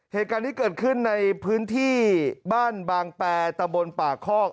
เหตุการณ์นี้เกิดขึ้นในพื้นที่บ้านบางแปรตะบนป่าคอก